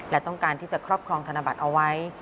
และต้องการที่จะครอบครองธนบัตรเอาไว้